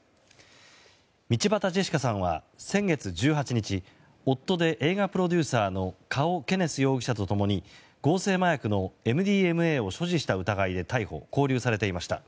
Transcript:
道端ジェシカさんは先月１８日夫で映画プロデューサーのカオ・ケネス容疑者と共に合成麻薬のＭＤＭＡを所持した疑いで逮捕・勾留されていました。